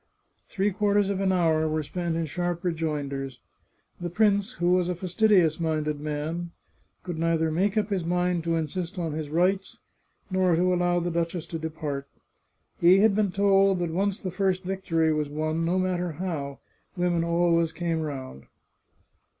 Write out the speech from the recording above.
Three quarters of an hour were spent in sharp rejoinders. The prince, who was a fastidious minded man, could neither make up his mind to insist on his rights, nor to allow the duchess to depart. He had been told that once the first victory was won, no matter how, women always came round.